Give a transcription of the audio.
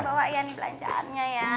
aku bawa ya nih belanjaannya ya